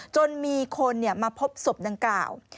จนมีคนมาพบศพดังกล่าว